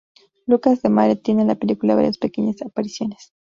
Lucas Demare tiene en la película varias pequeñas apariciones.